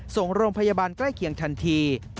ส่งโรงพยาบาลใกล้เคียงทันที